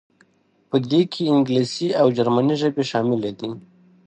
په دې کې انګلیسي او جرمني ژبې شاملې دي.